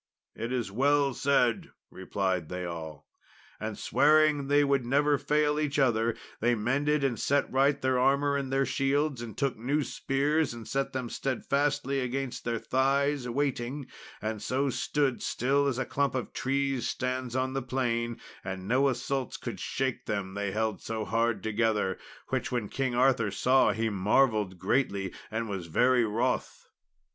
"It is well said," replied they all. And swearing they would never fail each other, they mended and set right their armour and their shields, and took new spears and set them steadfastly against their thighs, waiting, and so stood still as a clump of trees stands on the plain; and no assaults could shake them, they held so hard together; which when King Arthur saw he marvelled greatly, and was very wroth.